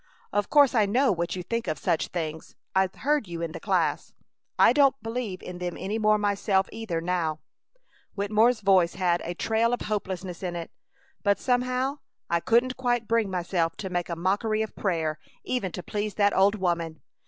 "Of course I know what you think of such things. I've heard you in the class. I don't believe in them any more myself, either, now." Wittemore's voice had a trail of hopelessness in it. "But somehow I couldn't quite bring myself to make a mockery of prayer, even to please that old woman.